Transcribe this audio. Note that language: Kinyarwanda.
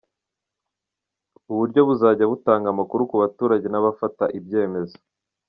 Ubu buryo buzajya butanga amakuru ku baturage n’abafata ibyemezo.